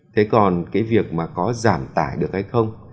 thế còn cái việc mà có giảm tải được hay không